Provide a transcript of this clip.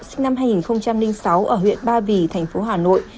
sinh năm hai nghìn sáu ở huyện ba vì thành phố hà nội